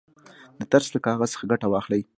د ترس له کاغذ څخه ګټه واخلئ.